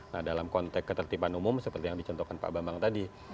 nah dalam konteks ketertiban umum seperti yang dicontohkan pak bambang tadi